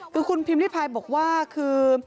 คือคุณพิมพิพายบอกว่าคือ